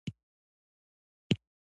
کاغذ نه کار پکار دی